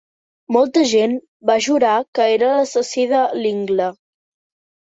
Molta gent va jurar que era l'assassí de Lingle.